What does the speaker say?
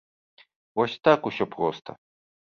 Вось так усё проста!